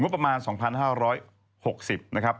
ประมาณ๒๕๖๐นะครับ